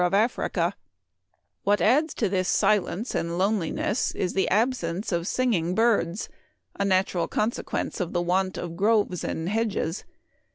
of Africa, What adds to this silenee and loneliness is the absence oi singing' birds, a natural consequence of the want of groves and hedges.